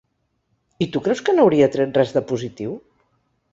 I tu creus que n'hauria tret res de positiu?